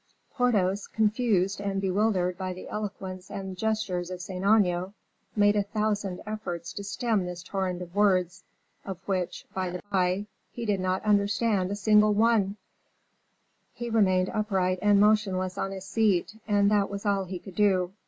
Porthos, confused and bewildered by the eloquence and gestures of Saint Aignan, made a thousand efforts to stem this torrent of words, of which, by the by, he did not understand a single one; he remained upright and motionless on his seat, and that was all he could do.